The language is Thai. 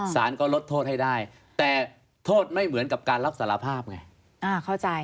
สารก็ลดโทษให้ได้แต่โทษไม่เหมือนกับการรับสารภาพไง